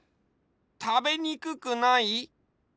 たべにくくない？